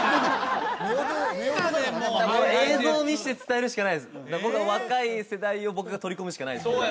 映像見して伝えるしかないです若い世代を僕が取り込むしかないですね